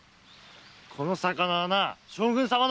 この魚は将軍様の物だ！